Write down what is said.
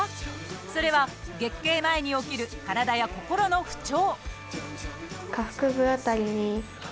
それは、月経前に起きる体や心の不調。